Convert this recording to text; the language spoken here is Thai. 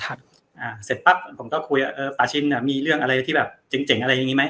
เสร็จปั๊บผมก็คุยว่าเออปาชินมีเรื่องอะไรที่แบบเจ๋งเจ๋งอะไรอย่างนี้ไหม